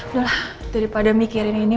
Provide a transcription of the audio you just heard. udah lah daripada mikirin ini